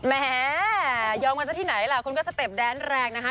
แม่ยอมกันซะที่ไหนล่ะคนก็สเต็ปแดนแรงนะคะ